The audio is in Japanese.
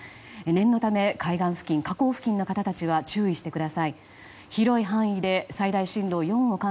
念のため海岸付近、河口付近の方たちは注意してください。